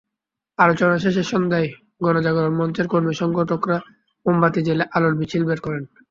আলোচনা শেষে সন্ধ্যায় গণজাগরণ মঞ্চের কর্মী-সংগঠকেরা মোমবাতি জ্বেলে আলোর মিছিল বের করেন।